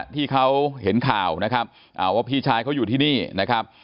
ที่เขาเห็นข่าวนะครับว่าพี่ชายเขาอยู่ที่นี่นะครับ